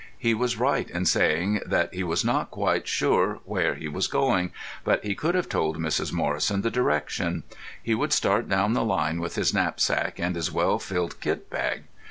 He was right in saying that he was not quite sure where he was going, but he could have told Mrs. Morrison the direction. He would start down the line with his knapsack and his well filled kit bag.